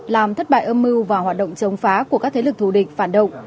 làm thất bại âm mưu và hoạt động chống phá của các thế lực thù địch phản động